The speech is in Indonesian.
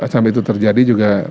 sampai itu terjadi juga